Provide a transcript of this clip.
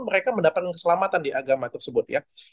mereka mendapatkan keselamatan di agama tersebut ya